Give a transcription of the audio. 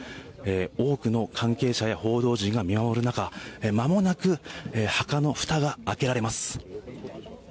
多くの関係者や報道陣が見守る中まもなく墓のふたが開けられます。